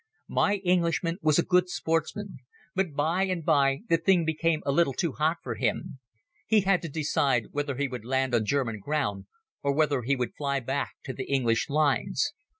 My Englishman was a good sportsman, but by and by the thing became a little too hot for him. He had to decide whether he would land on German ground or whether he would fly back to the English lines.